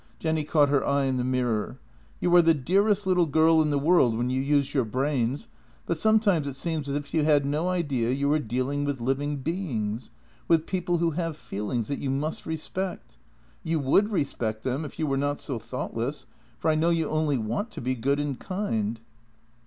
Jenny caught her eye in the mirror. " You are the dearest little girl in the world when you use your brains, but sometimes it seems as if you had no idea you are dealing with living beings, with people who have feelings that you must respect. You 'would respect them if you were not so thoughtless, for I know you only want to be good and kind."